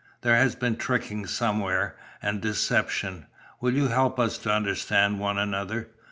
There has been tricking somewhere, and deception. Will you help us to understand one another?"